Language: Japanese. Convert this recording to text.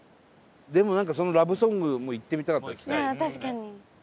でもなんかそのラブソングも行ってみたかったですね。